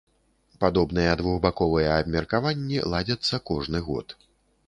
Падобныя двухбаковыя абмеркаванні ладзяцца кожны год.